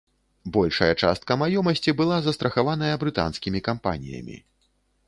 Большая частка маёмасці была застрахаваная брытанскімі кампаніямі.